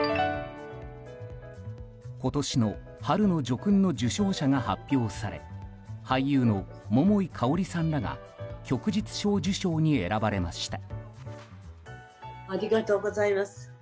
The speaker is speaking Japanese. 今年の春の叙勲の受章者が発表され俳優の桃井かおりさんらが旭日小綬章に選ばれました。